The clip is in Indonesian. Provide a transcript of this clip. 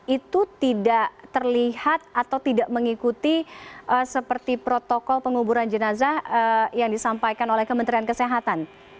itu tidak terlihat atau tidak mengikuti seperti protokol penguburan jenazah yang disampaikan oleh kementerian kesehatan